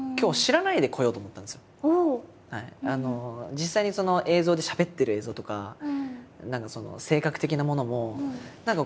実際に映像でしゃべってる映像とか何か性格的なものも何か